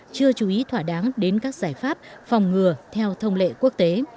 chưa chú ý thỏa đáng đến các giải pháp phòng ngừa theo thông lệ quốc tế